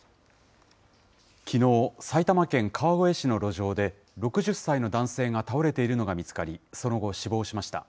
きのう、埼玉県川越市の路上で、６０歳の男性が倒れているのが見つかり、その後、死亡しました。